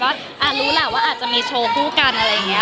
อ่ะรู้แหละว่าอาจจะมีโชว์คู่กันอะไรเงี้ย